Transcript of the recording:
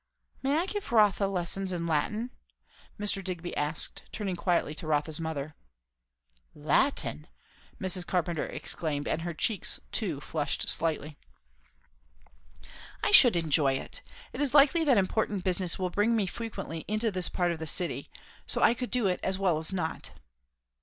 "May I give Rotha lessons in Latin?" Mr. Digby asked, turning quietly to Rotha's mother. "Latin!" Mrs. Carpenter exclaimed, and her cheeks too flushed slightly. "I should enjoy it. It is likely that important business will bring me frequently into this part of the city; so I could do it as well as not."